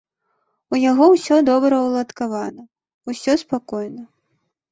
У яго усё добра уладкавана, усё спакойна.